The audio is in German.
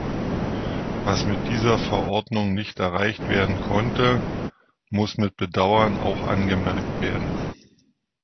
Was mit dieser Verordnung nicht erreicht werden konnte, muss mit Bedauern auch angemerkt werden.